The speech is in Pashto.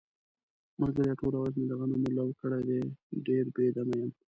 ملگریه ټوله ورځ مې د غنمو لو کړی دی، ډېر بې دمه یم.